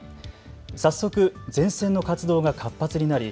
早速、前線の活動が活発になり